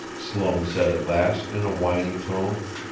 Sloane said at last, in a whiney tone.